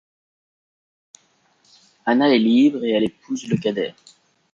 Anna est libre et elle épouse le cadet.